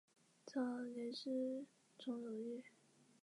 三月卒于琼。